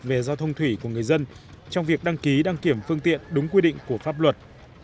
về giao thông thủy của người dân trong việc đăng ký đăng kiểm phương tiện đúng quy định của pháp luật